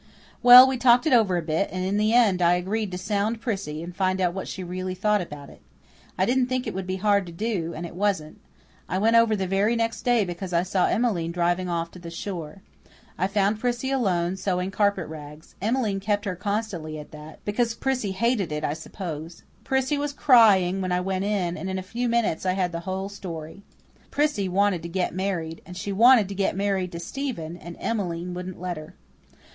Well, we talked it over a bit, and in the end I agreed to sound Prissy, and find out what she really thought about it. I didn't think it would be hard to do; and it wasn't. I went over the very next day because I saw Emmeline driving off to the store. I found Prissy alone, sewing carpet rags. Emmeline kept her constantly at that because Prissy hated it I suppose. Prissy was crying when I went in, and in a few minutes I had the whole story. Prissy wanted to get married and she wanted to get married to Stephen and Emmeline wouldn't let her.